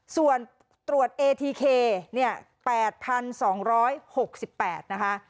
ส่วนตรวจเอทีเคเนี่ยแปดพันสองร้อยหกสิบแปดนะคะ